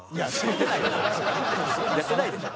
やってないでしょ。